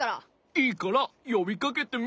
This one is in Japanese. いいからよびかけてみ？